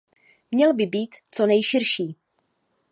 Měl by být co nejširší.